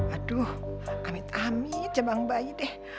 aduh amit amit jebang bayi deh